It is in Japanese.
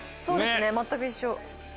そうですね全く一緒。